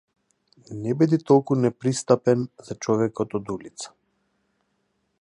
Не биди толку непристапен за човекот од улица.